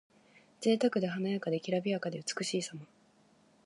ぜいたくで華やかで、きらびやかで美しいさま。